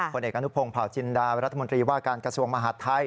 ผลเอกอนุพงศ์เผาจินดารัฐมนตรีว่าการกระทรวงมหาดไทย